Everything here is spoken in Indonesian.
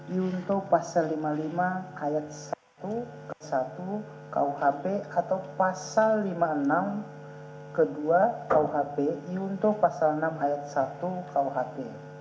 yuntuh pasal lima puluh lima ayat satu ke satu kuhp atau pasal lima puluh enam ke dua kuhp iuntuh pasal enam ayat satu kuhp